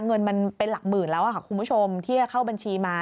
เงินมันเป็นหลักหมื่นแล้วค่ะคุณผู้ชมที่จะเข้าบัญชีมา